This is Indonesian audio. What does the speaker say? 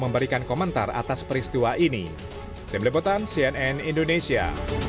memberikan komentar atas peristiwa ini dan lepotan cnn indonesia